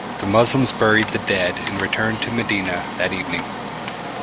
The Muslims buried the dead and returned to Medina that evening.